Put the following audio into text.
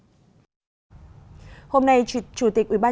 hôm nay chủ tịch ubnd đã đặt báo cho quý vị